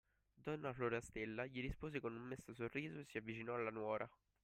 Donna Florastella gli rispose con un mesto sorriso e si avvicinò alla nuora.